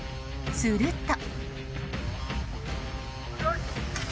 すると。